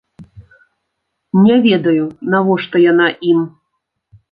Не ведаю, навошта яна ім.